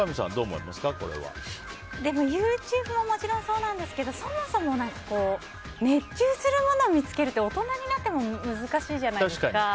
でも、ＹｏｕＴｕｂｅももちろんそうなんですけどそもそも、熱中するものを見つけるって大人になっても難しいじゃないですか。